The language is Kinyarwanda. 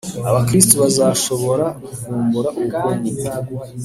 abakristu bazashobora kuvumbura ubukungu